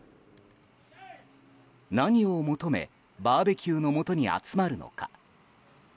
何を求めバーベキューのもとに集まるのか。